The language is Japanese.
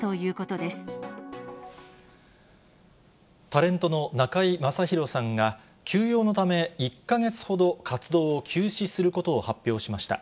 タレントの中居正広さんが、休養のため、１か月ほど活動を休止することを発表しました。